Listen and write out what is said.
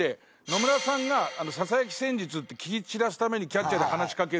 野村さんがささやき戦術って気ぃ散らすためにキャッチャーで話しかける。